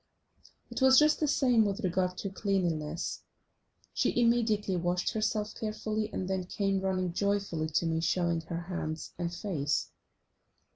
It was just the same with regard to cleanliness. She immediately washed herself carefully, and then came running joyfully to me showing her hands and face.